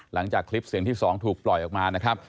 หลังจากคลิปเสียงที่๒ถูกปล่อยออกมานะครับ